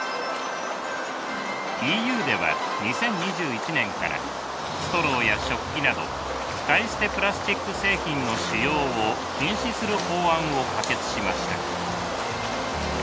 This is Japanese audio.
ＥＵでは２０２１年からストローや食器など使い捨てプラスチック製品の使用を禁止する法案を可決しました。